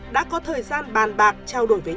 đã có thời gian bàn bạc trao đổi với